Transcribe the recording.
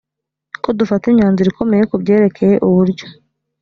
ko dufata imyanzuro ikomeye ku byerekeye uburyo